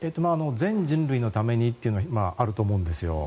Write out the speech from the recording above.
全人類のためにっていうのはあると思うんですよ。